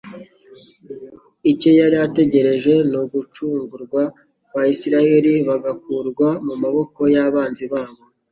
Icyo yari ategereje ni ugucungurwa kwa Isiraheli bagakurwa mu maboko y'abanzi babo